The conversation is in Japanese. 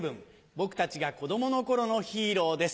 僕たちが子供の頃のヒーローです。